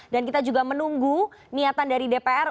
dan kita juga menunggu niatan dari dpr